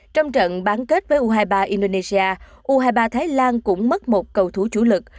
trong trận bán kết với u hai mươi ba indonesia u hai mươi ba thái lan cũng mất một cầu thủ chủ lực